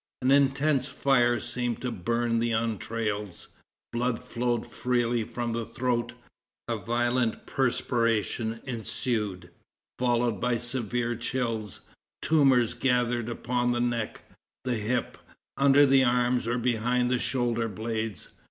An intense fire seemed to burn the entrails; blood flowed freely from the throat; a violent perspiration ensued, followed by severe chills; tumors gathered upon the neck, the hip, under the arms or behind the shoulder blades.